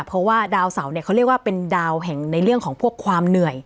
เพราะว่าดาวเสาเนี่ยเขาเรียกว่าเป็นดาวแห่งในเรื่องของพวกความเหนื่อย